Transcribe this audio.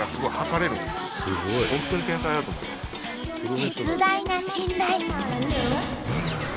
絶大な信頼！